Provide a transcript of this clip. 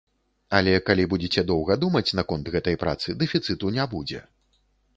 Але калі будзеце доўга думаць наконт гэтай працы, дэфіцыту не будзе.